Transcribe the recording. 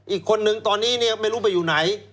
อีกคนนึงตอนนี้เนี่ยไม่รู้ไปอยู่ไหน